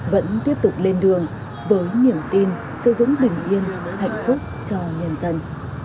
vẫn tiếp tục lên đường với niềm tin sự vững bình yên hạnh phúc cho nhân dân